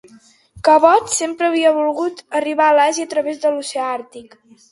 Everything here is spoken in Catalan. Cabot sempre havia volgut arribar a l'Àsia a través de l'oceà Àrtic.